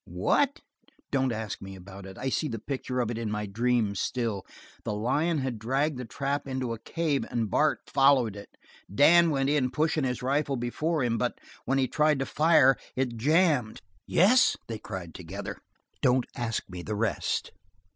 "What!" "Don't ask me about it; I see the picture of it in my dreams still. The lion had dragged the trap into a cave and Bart followed it. Dan went in pushing his rifle before him, but when he tried to fire it jammed." "Yes?" they cried together. "Don't ask me the rest!"